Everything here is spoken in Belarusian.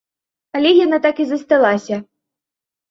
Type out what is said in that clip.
Але яна так і засталася.